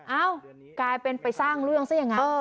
เอ้ากลายเป็นไปสร้างเรื่องซะอย่างนั้น